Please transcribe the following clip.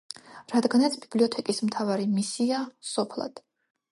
რადგანაც ბიბლიოთეკის მთავარი მისია სოფლად.